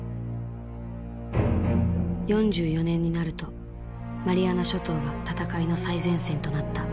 ４４年になるとマリアナ諸島が戦いの最前線となった。